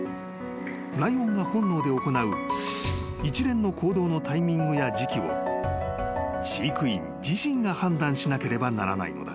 ［ライオンが本能で行う一連の行動のタイミングや時期を飼育員自身が判断しなければならないのだ］